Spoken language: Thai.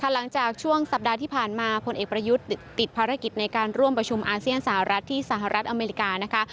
หลังจากช่วงสัปดาห์ที่ผ่านมาผลเอกประยุทธ์ติดภารกิจในการร่วมประชุมอาเซียนสหรัฐที่สหรัฐอเมริกานะคะ